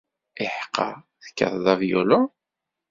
Iḥeqqa, tekkateḍ avyulu?